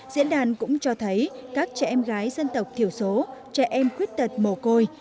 diễn đàn cũng cho thấy các trẻ em gái dân tộc thiểu số trẻ em khuyết tật mồ côi